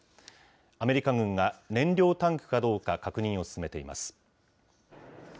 アメリカ軍は燃料タンクかどうか、確認を進めています。